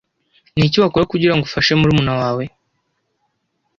ni iki wakora kugira ngo ufashe murumuna wawe